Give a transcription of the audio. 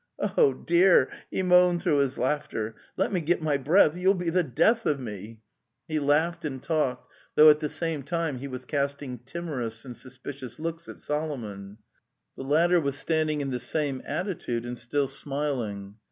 "Oh dear!" he moaned through his laughter. 'Let me get my breath. .... You'll be the: death of me." The Steppe 197 He laughed and talked, though at the same time he was casting timorous and suspicious looks at Solomon. The latter was standing in the same attitude and still smiling.